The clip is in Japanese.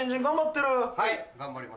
はい頑張ります。